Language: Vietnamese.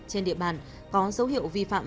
trên địa bàn có dấu hiệu vi phạm